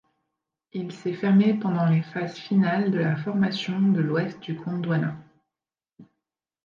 Il s'est fermé pendant les phases finales de la formation de l'ouest du Gondwana.